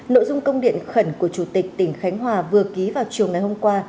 nội dung công điện khẩn của chủ tịch tỉnh khánh hòa vừa ký vào chiều ngày hôm qua